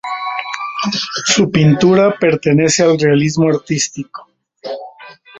Su pintura pertenece al Realismo artístico.